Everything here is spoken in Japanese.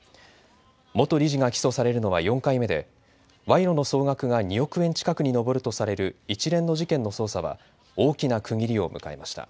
元理事が起訴されるのは４回目で賄賂の総額が２億円近くに上るとされる一連の事件の捜査は大きな区切りを迎えました。